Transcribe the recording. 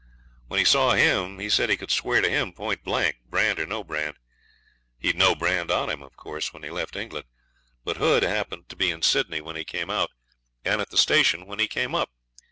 When he saw him he said he could swear to him point blank, brand or no brand. He'd no brand on him, of course, when he left England; but Hood happened to be in Sydney when he came out, and at the station when he came up.